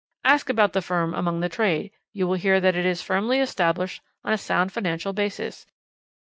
Ask about the firm among the trade; you will hear that it is firmly established on a sound financial basis.